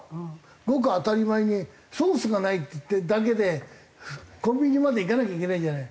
ごく当たり前にソースがないってだけでコンビニまで行かなきゃいけないじゃない。